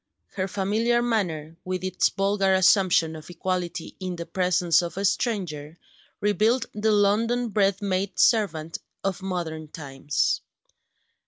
Her familiar manner, with its vulgar assumption of equality in the presence of a stranger, revealed the London bred maid servant of modern times.